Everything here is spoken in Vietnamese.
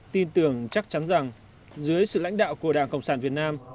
tin tưởng chắc chắn rằng dưới sự lãnh đạo của đảng cộng sản việt nam